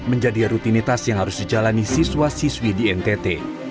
menjadi rutinitas yang harus dijalani siswa siswi di ntt